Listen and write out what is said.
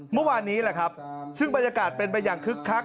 เมื่อวานนี้แหละครับซึ่งบรรยากาศเป็นไปอย่างคึกคัก